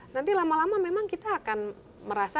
nanti lama lama memang kita akan merasa